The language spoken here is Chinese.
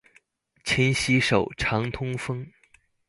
勤洗手，常通风。